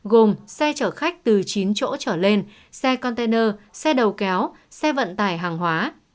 gồm xe chở khách từ chín chỗ trở lên xe container xe đầu kéo xe vận tải hàng hóa